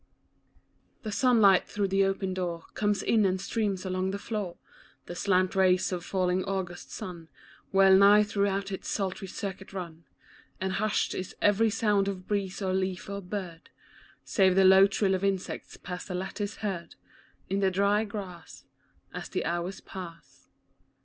JHE sunlight through the open door Comes in, and streams along the floor, The slant rays of a falling August sun Well nigh throughout its sultry circuit run ; And hushed is every sound of breeze or leaf or bird, Save the low trill of insects, past the lattice heard, In the dry grass As the hours pass.